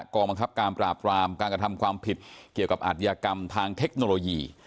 กองบังคับการปราบรามการกระทำความผิดเกี่ยวกับอาทยากรรมทางเทคโนโลยี